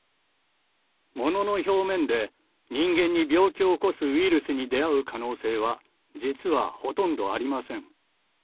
物の表面で人間に病気を起こすウイルスに出会う可能性は実はほとんどありません。